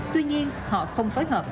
tuy nhiên họ không phối hợp